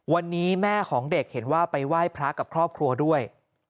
วันนี้แม่ของเด็กเห็นว่าไปไหว้พระกับครอบครัวด้วย